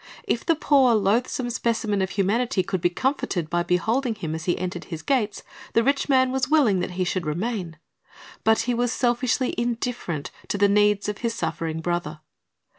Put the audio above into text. If the poor, loathsome specimen of humanity could be comforted by beholding him as he entered his gates, the rich man was willing that he should remain. But he was selfishly indifferent to the needs of his suffering brother.